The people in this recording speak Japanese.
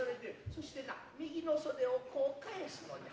そしてな右の袖をこう返すのじゃ。